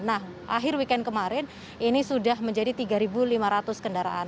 nah akhir weekend kemarin ini sudah menjadi tiga lima ratus kendaraan